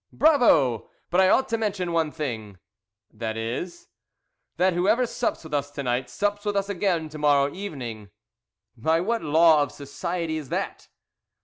"Bravo! But I ought to mention one thing." "That is?" "That whoever sups with us to night, sups with us again to morrow evening." "By what law of society is that?"